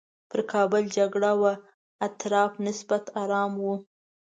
پر کابل جګړه وه اطراف نسبتاً ارام وو.